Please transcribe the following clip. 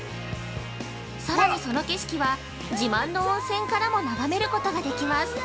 さらにその景色は自慢の温泉からも眺めることができます。